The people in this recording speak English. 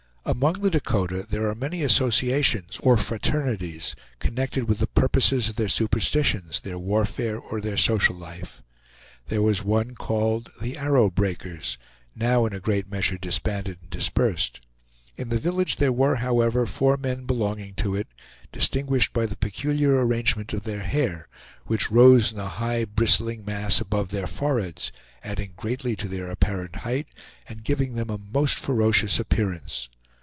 Among the Dakota there are many associations, or fraternities, connected with the purposes of their superstitions, their warfare, or their social life. There was one called "The Arrow Breakers," now in a great measure disbanded and dispersed. In the village there were, however, four men belonging to it, distinguished by the peculiar arrangement of their hair, which rose in a high bristling mass above their foreheads, adding greatly to their apparent height, and giving them a most ferocious appearance.